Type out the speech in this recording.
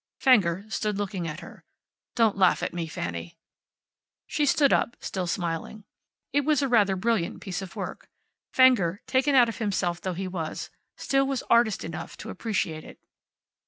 Fenger stood looking at her. "Don't laugh at me, Fanny." She stood up, still smiling. It was rather a brilliant piece of work. Fenger, taken out of himself though he was, still was artist enough to appreciate it.